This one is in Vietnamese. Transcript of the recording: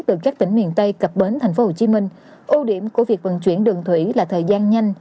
từ các tỉnh miền tây cập bến tp hcm ưu điểm của việc vận chuyển đường thủy là thời gian nhanh